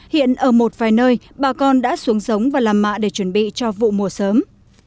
hiện ở một vài nơi bà con đã xuống giống và làm mạ để chuẩn bị cho vụ mùa sớm